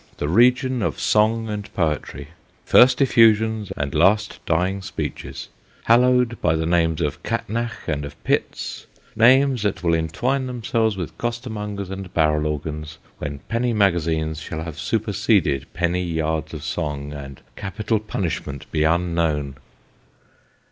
the region of song and poetry first effusions, and last dying speeches : hallowed by the names of Catnach and of Pitts names that will entwine themselves with costermongers, and barrel organs, when penny magazines shall have superseded penny yards of song, and capital punishment be unknown